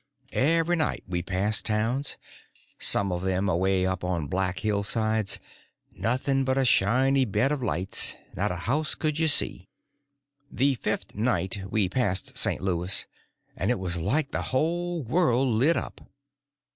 Every night we passed towns, some of them away up on black hillsides, nothing but just a shiny bed of lights; not a house could you see. The fifth night we passed St. Louis, and it was like the whole world lit up.